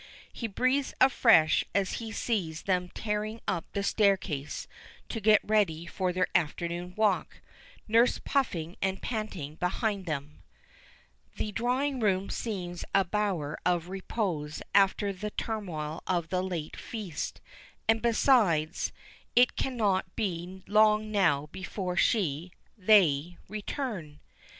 He breathes afresh as he sees them tearing up the staircase to get ready for their afternoon walk, nurse puffing and panting behind them. The drawing room seems a bower of repose after the turmoil of the late feast, and besides, it cannot be long now before she they return.